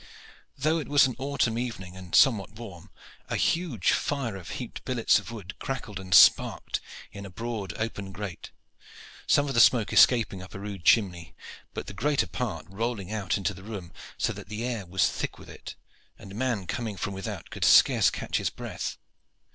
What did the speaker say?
Though it was an autumn evening and somewhat warm, a huge fire of heaped billets of wood crackled and sparkled in a broad, open grate, some of the smoke escaping up a rude chimney, but the greater part rolling out into the room, so that the air was thick with it, and a man coming from without could scarce catch his breath.